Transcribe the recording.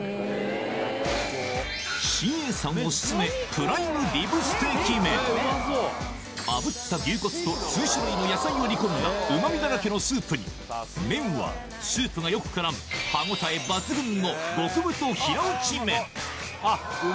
ＣＡさんオススメあぶった牛骨と数種類の野菜を煮込んだうまみだらけのスープに麺はスープがよく絡む歯応え抜群のあっ。